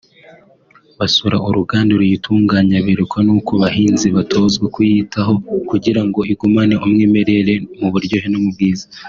basura uruganda ruyitunganya berekwa n’uko bahinzi batozwa kuyitaho kugira ngo igumane umwimerere mu buryohe no mu bwiza